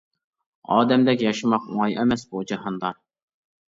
ئادەمدەك ياشىماق ئوڭاي ئەمەس بۇ جاھاندا.